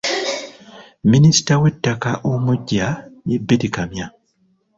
Minisita w'ettaka omuggya ye Beti Kamya.